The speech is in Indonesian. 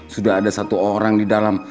sudah ada satu orang di dalam